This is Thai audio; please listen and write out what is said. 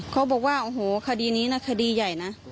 เขาบอกว่าโอ้โหคดีนี้นะคดีใหญ่นะ